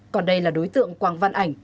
còn đây là đối tượng quang văn ảnh